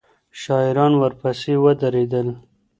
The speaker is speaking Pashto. شاعران ورپسي ودرېدل